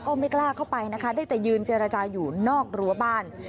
ก็ไม่กล้าเข้าไปนะคะได้แต่ยืนเจรจาอยู่นอกรั้วบ้าน